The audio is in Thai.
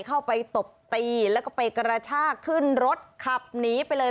เข้าไปตบตีแล้วก็ไปกระชากขึ้นรถขับหนีไปเลย